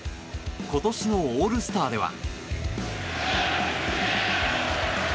今年のオールスターでは。